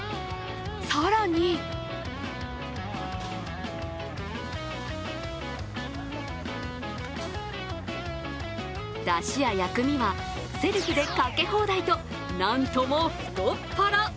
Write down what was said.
更にだしや薬味はセルフでかけ放題と何とも太っ腹。